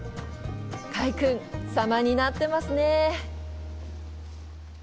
快くん、さまになってますね！